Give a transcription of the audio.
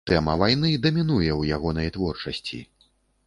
Тэма вайны дамінуе ў ягонай творчасці.